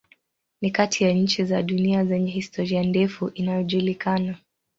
Ni kati ya nchi za dunia zenye historia ndefu inayojulikana.